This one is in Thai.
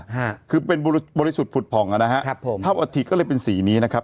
ฮะคือเป็นบริบริสุทธิ์ผุดผ่องอ่ะนะฮะครับผมเท่าอาทิตก็เลยเป็นสีนี้นะครับ